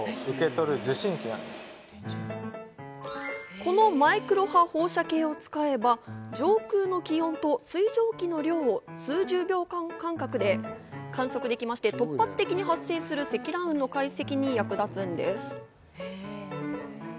このマイクロ波放射計を使えば上空の気温と水蒸気の量を数十秒間隔で観測できまして突発的に発生する積乱雲の解析に役立つんです。